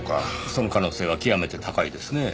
その可能性は極めて高いですねぇ。